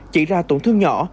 chỉ ra tổn thương nhỏ